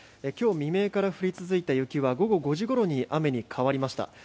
今日未明から降り続いた雪は午後５時ごろに雨に変わりました。